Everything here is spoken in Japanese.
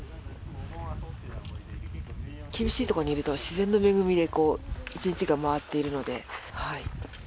厳しい所にいると、自然の恵みで一日が回っているので。